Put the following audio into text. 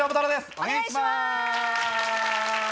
お願いします！